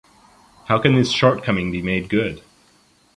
How can this shortcoming be made good?